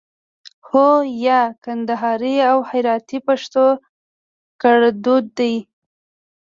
هو 👍 یا 👎 کندهاري او هراتي پښتو کړدود دی